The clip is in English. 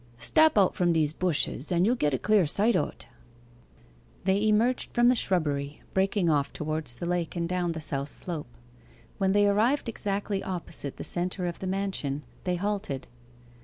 Stap out from these bushes, and you'll get a clear sight o't.' They emerged from the shrubbery, breaking off towards the lake, and down the south slope. When they arrived exactly opposite the centre of the mansion, they halted.